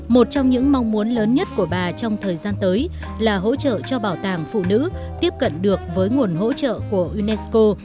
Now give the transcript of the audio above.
một trong những mong muốn lớn nhất của bà trong thời gian tới là hỗ trợ cho bảo tàng phụ nữ tiếp cận được với nguồn hỗ trợ của unesco